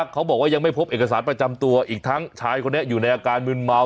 เขาบอกว่ายังไม่พบเอกสารประจำตัวอีกทั้งชายคนนี้อยู่ในอาการมืนเมา